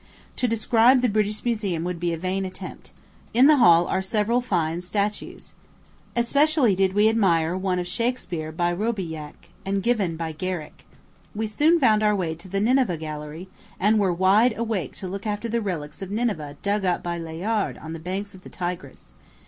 To describe the British Museum would be a vain attempt. In the hall are several fine statues. Especially did we admire the one of Shakspeare by Roubilliac, and given by Garrick. We soon found our way to the Nineveh Gallery, and were wide awake to look after the relics of Nineveh dug up by Layard on the banks of the Tigris.